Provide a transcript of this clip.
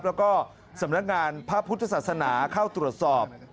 แล้วก็สำนักงานพระพุทธศาสนาเข้าตรวจสอบ